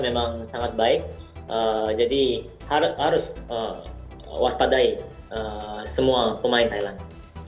saya sangat berhati hati dengan semua pemain thailand